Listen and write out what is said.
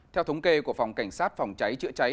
theo thống kê của phòng cảnh sát phòng cháy chữa cháy